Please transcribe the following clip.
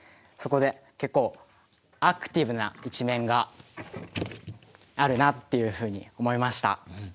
そこで結構アクティブな一面があるなっていうふうに思いました。